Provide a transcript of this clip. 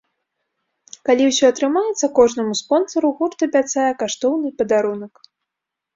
Калі ўсё атрымаецца, кожнаму спонсару гурт абяцае каштоўны падарунак!